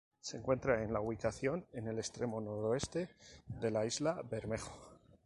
Se encuentra en la ubicación en el extremo noroeste de la Isla Bermejo.